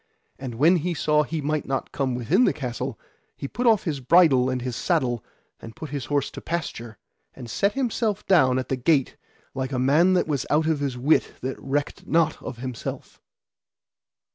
And when he saw he might not come within the castle, he put off his bridle and his saddle, and put his horse to pasture, and set himself down at the gate like a man that was out of his wit that recked not of himself.